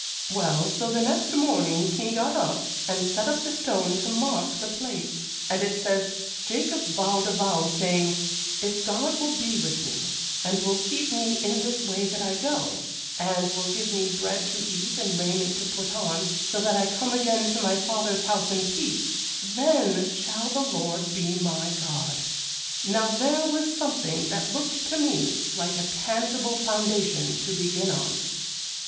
'Well, so the next morning he got up, and set up the stone to mark the place; and it says "Jacob vowed a vow, saying, If God will be with me, and will keep me in this way that I go, and will give me bread to eat and raiment to put on, so that I come again to my father's house in peace, then shall the Lord be my God." Now there was something that looked to me like a tangible foundation to begin on.